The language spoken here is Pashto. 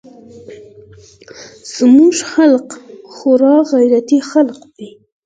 زموږ خلق خورا غيرتي خلق دي.